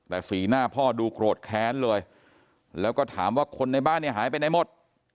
แต่สีหน้าพ่อดูโกรธแค้นเลยแล้วก็ถามว่าคนในบ้านเนี่ยหายไปไหนหมด